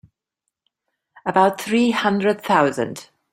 About three hundred thousand.